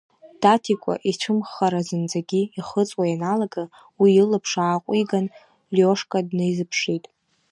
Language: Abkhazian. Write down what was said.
Даҭикәа ицәымӷхара зынӡагьы ихыҵуа ианалага, уи илаԥш ааиҟәиган, Лиошка днаизыԥшит.